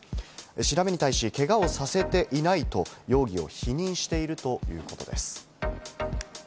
調べに対しけがをさせていないと容疑を否認しているということです。